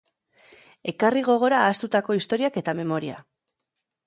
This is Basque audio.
Ekarri gogora ahaztutako historiak eta memoria.